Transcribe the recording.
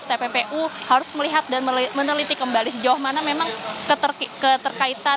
tppu harus melihat dan meneliti kembali sejauh mana memang keterkaitan